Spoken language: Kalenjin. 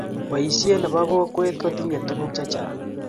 Boisie ne bo kokwee kotinye tukuk che chang.